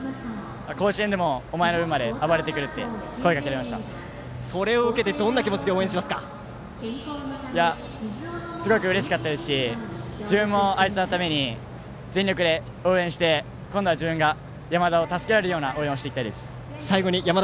甲子園でもお前の分も暴れてくるってそれを受けてどんな気持ちですごくうれしかったですし自分も、あいつのために全力で応援して、今度は自分が山田を助けられるような応援をしたいです。